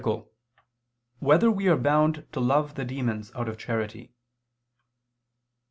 11] Whether We Are Bound to Love the Demons Out of Charity?